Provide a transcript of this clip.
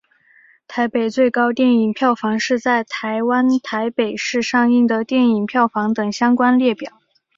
台北最高电影票房是在台湾台北市上映的电影票房等相关列表。